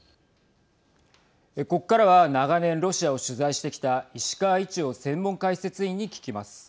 ここからは長年、ロシアを取材してきた石川一洋専門解説委員に聞きます。